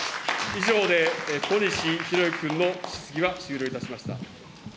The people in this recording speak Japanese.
以上で小西洋之君の質疑は終了いたしました。